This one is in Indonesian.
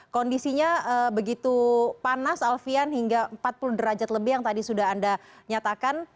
kondisinya begitu panas alfian hingga empat puluh derajat lebih yang tadi sudah anda nyatakan